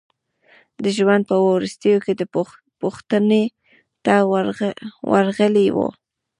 د ژوند په وروستیو کې پوښتنې ته ورغلي وو.